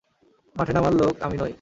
মাঠে নামার লোক আমি নই।